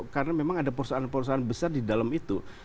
karena memang ada persoalan persoalan besar di dalam itu